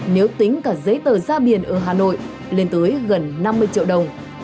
nếu tính cả giấy tờ ra biển ở hà nội lên tới gần năm mươi triệu đồng